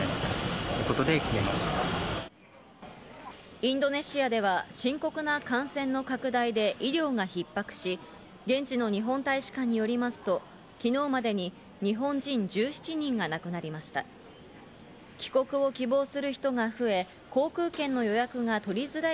インドネシアでは深刻な感染の拡大で医療が逼迫し、現地の日本大使館によりますと、昨日までに日本人１７人が亡くなりました。